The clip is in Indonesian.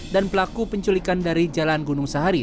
dan pelaku penculikan dari jalan gunung sahari